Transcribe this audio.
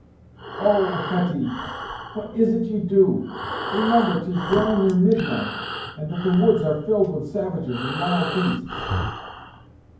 "Oh! Hetty what is't you do! Remember 'tis drawing near midnight, and that the woods are filled with savages and wild beasts!"